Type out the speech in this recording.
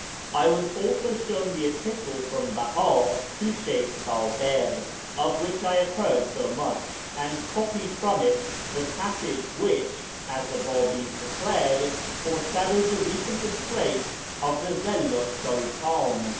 I was also shown the epistle from Beha to Sheykh Bakir of which I had heard so much, and copied from it the passage which, as the Btibi's declared, foreshadowed the recent disgrace of the Zillu 's Sultan.